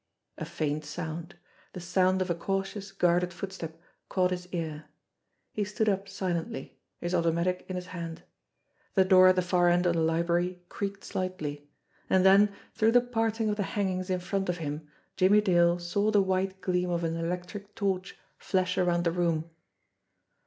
THE LESSER BREED 143 A faint sound, the sound of a cautious, guarded footstep, caught his ear. He stood up silently, his automatic in his hand. The door at the far end of the library creaked slightly ; and then, through the parting of the hangings in front of him, Jimmie Dale saw the white gleam of an electric torch flash around the room.